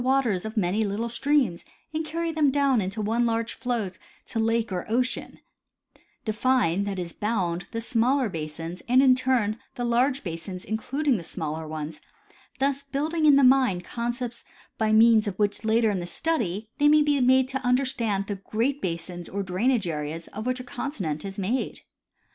waters of many little streams and carry them down in one large flow to lake or ocean; define, that is bound, the smaller basins and in turn the large basins including the smaller ones, thus building in the mind concepts by means, of which in later study they may be made to understand the great basins or drainage areas of which a continent is made.